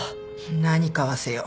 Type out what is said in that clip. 何買わせよう。